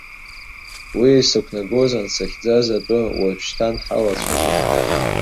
Уи, исықәнагоз ансыхьӡаз атәы уажәшьҭан ҳалацәажәап.